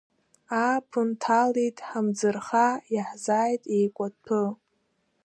Ааԥын ҭалеит ҳамӡырха, иаҳзааит еикәаҭәы.